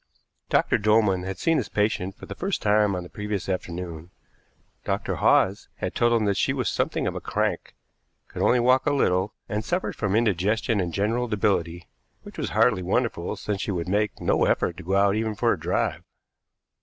Dr. Dolman had seen his patient for the first time on the previous afternoon. Dr. Hawes had told him that she was something of a crank, could only walk a little, and suffered from indigestion and general debility, which was hardly wonderful, since she would make no effort to go out even for a drive.